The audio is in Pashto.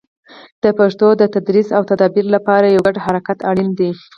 د پښتو د تدریس او تدابیر لپاره یو ګډ حرکت اړین دی.